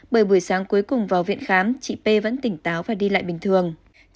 bởi buổi sáng cuối cùng vào viện khám chị p vẫn tỉnh táo và đi lại bình thường